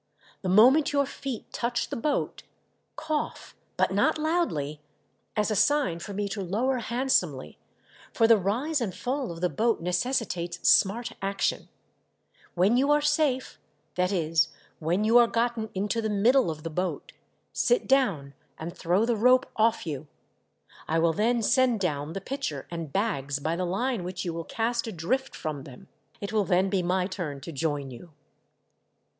The moment your feet touch the boat, cough •— but not loudly — as a sign for me to lower handsomely, for the rise and fall of the boat necessitates smart action. When you are safe — that is when you are gotten into the middle of the boat — sit down, and throw the rope off you. I will then send down the pitcher and bags by the line which you will cast adrift from them. It will then be my turn to join you."